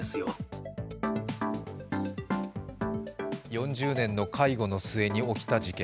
４０年の介護の末に起きた事件。